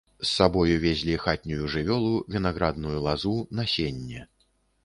З сабою везлі хатнюю жывёлу, вінаградную лазу, насенне.